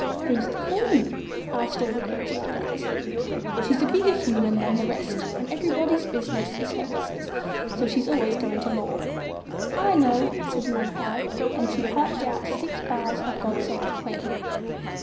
"Who's the Queen?" asked all the creatures breathlessly. "She's a bigger Human than the rest, and everybody's business is her business, so she's always going to law." "I know," said the Magpie, and she piped out six bars of "God save the Queen."